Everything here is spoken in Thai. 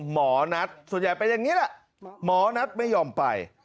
หมอนัทส่วนใหญ่เป็นอย่างนี้แหละหมอนัทไม่ยอมไป